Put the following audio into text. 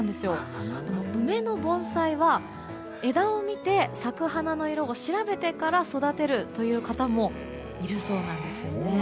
梅の盆栽は、枝を見て咲く花の色を調べてから育てるという方もいるそうです。